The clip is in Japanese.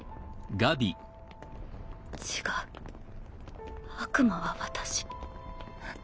違う悪魔は私。